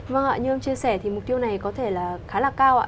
vâng ạ như ông chia sẻ thì mục tiêu này có thể là khá là cao ạ